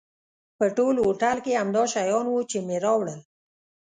په ټول هوټل کې همدا شیان و چې مې راوړل.